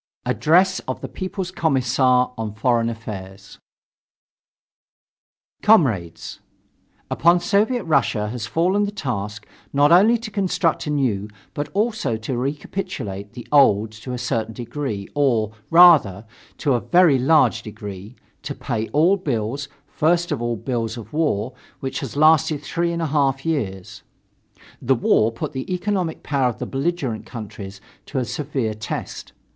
ADDRESS OF THE PEOPLES COMMISSAR ON FOREIGN AFFAIRS Comrades: Upon Soviet Russia has fallen the task not only to construct the new but also to recapitulate the old to a certain degree, or, rather, to a very large degree to pay all bills, first of all the bills of the war, which has lasted three and a half years. The war put the economic power of the belligerent countries to a severe test.